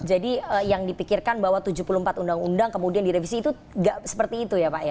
jadi yang dipikirkan bahwa tujuh puluh empat undang undang kemudian direvisi itu tidak seperti itu ya pak